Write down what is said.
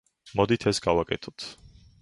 მოდით ეს გავაკეთოთ.